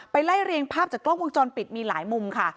ไล่เรียงภาพจากกล้องวงจรปิดมีหลายมุมค่ะ